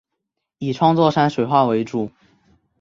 以创作山水画为主。